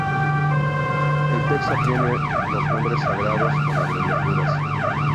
El texto tiene los nombres sagrados con abreviaturas.